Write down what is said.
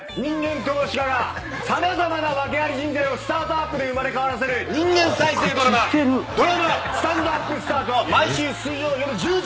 投資家が様々な訳あり人材をスタートアップで生まれ変わらせる人間再生ドラマ『スタンドＵＰスタート』は毎週水曜夜１０時。